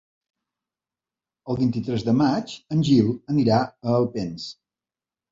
El vint-i-tres de maig en Gil anirà a Alpens.